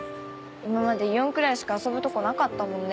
今までイオンくらいしか遊ぶとこなかったもんね。